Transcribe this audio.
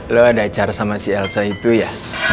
lo ada acara sama si elsa itu ya